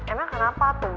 emang kenapa tuh